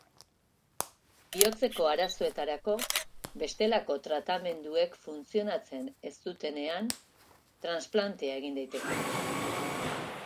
Bihotzeko arazoetarako bestelako tratamenduek funtzionatzen ez dutenean transplantea egin daiteke.